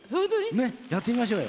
ねっやってみましょうよ。